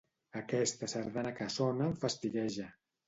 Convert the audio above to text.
Aquesta sardana que sona em fastigueja.